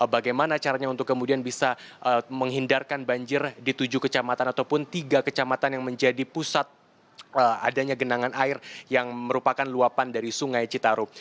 bagaimana caranya untuk kemudian bisa menghindarkan banjir di tujuh kecamatan ataupun tiga kecamatan yang menjadi pusat adanya genangan air yang merupakan luapan dari sungai citarum